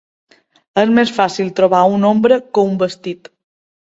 És més fàcil trobar una ombra que un vestit.